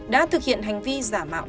đã thực hiện hành vi giả mạo